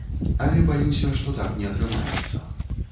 Але баюся, што так не атрымаецца.